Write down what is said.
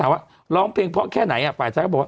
แต่ว่าต้องหานักหนักรีดี